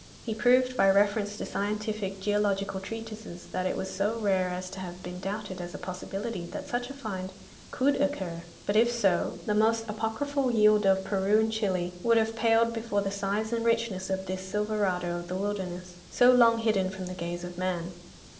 He proved by reference to scientific geological treatises that it was so rare as to have been doubted as a possibility that such a find could occur, but if so, the most apocryphal yield of Peru and Chile would have paled before the size and richness of this Silverado of the Wilderness, so long hidden from the gaze of man.